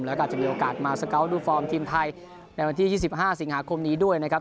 แล้วก็อาจจะมีโอกาสมาสเกาะดูฟอร์มทีมไทยในวันที่๒๕สิงหาคมนี้ด้วยนะครับ